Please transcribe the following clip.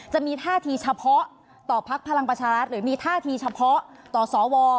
จะมีท่าทีเฉพาะต่อภพลังปัชฌาตรรัสหรือท่าทีเฉพาะต่อศาลวอล